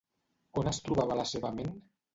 On es trobava la seva ment?